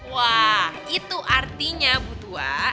wah itu artinya butua